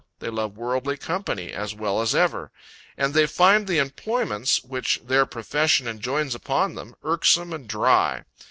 They love worldly company as well as ever. And they find the employments, which their profession enjoins upon them, irksome and dry.